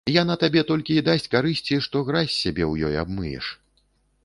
Яна табе толькі і дасць карысці, што гразь з сябе ў ёй абмыеш.